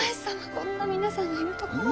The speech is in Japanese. こんな皆さんのいるところで。